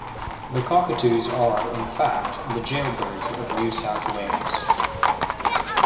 The cockatoos are, in fact, the jailbirds of New South Wales.